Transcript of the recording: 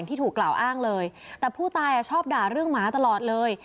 ที่ถูกกล่าวอ้างเลยแต่ผู้ตายชอบด่าเรื่องหมาตลอดเลย